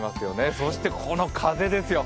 そして、この風ですよ。